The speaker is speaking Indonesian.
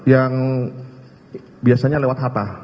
yang biasanya lewat hatta